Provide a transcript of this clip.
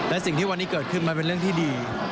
และสิ่งที่วันนี้เกิดขึ้นมันเป็นเรื่องที่ดี